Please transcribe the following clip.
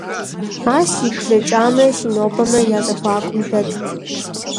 Ар си блэкӀамрэ си нобэмрэ я зэхуакум дэтт.